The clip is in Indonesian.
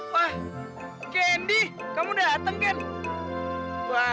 wah gendy kamu dateng kan